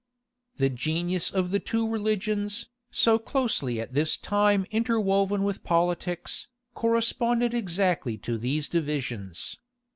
4. The genius of the two religions, so closely at this time interwoven with politics, corresponded exactly to these divisions.